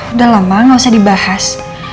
udah lama gak usah dibahas